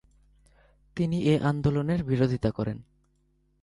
তিনি এ আন্দোলনের বিরোধিতা করেন।